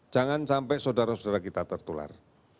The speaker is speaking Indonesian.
jangan sampai saudara saudara kita tertular